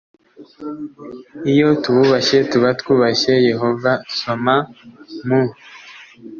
iyo tububashye tuba twubashye yehova soma mu